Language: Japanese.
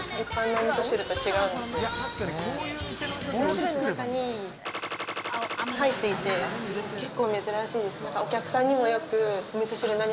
味噌汁の中に入っていて、結構珍しいです。